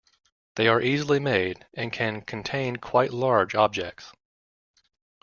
They are easily made and can contain quite large objects.